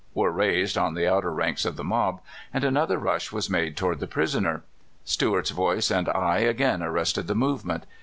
were raised on the outer ranks of the mob, and another rush was made toward the prisoner. Stuart's voice and eye again arrested the movement.